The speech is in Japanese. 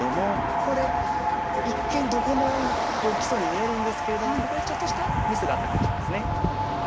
ここで一見どこも大きそうに見えるんですけれどもここでちょっとしたミスがあったかもしれないですね。